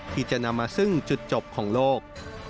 ที่จะนำมาซึ่งจุดจบของโลก